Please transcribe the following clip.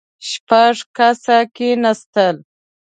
شپږ کسه کېناستل.